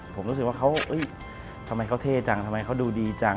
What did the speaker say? ผมรู้สึกว่าเขาทำไมเขาเท่จังทำไมเขาดูดีจัง